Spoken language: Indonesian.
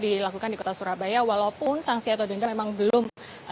dilakukan di kota surabaya walaupun sanksi atau denda memang belum